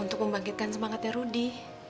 untuk membangkitkan semangatnya rudy